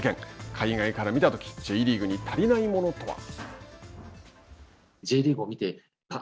海外から見たときＪリーグに足りないものとは。